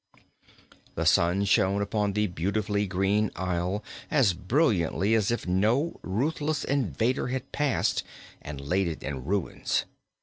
The sun shone upon the beautiful green isle as brilliantly as if no ruthless invader had passed and laid it in ruins.